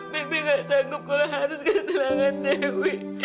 bibi gak sanggup kalau harus kehilangan dewi